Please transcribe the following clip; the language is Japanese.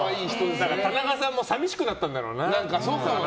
田中さんも寂しくなったんだろうな。